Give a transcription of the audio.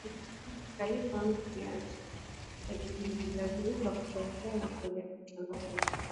khalifa mpya alilazimika kuchaguliwa kwenye mkutano mkuu